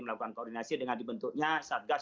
melakukan koordinasi dengan dibentuknya satgas